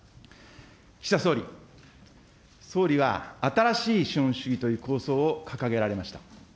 岸田総理、総理は新しい資本主義という構想を掲げられました。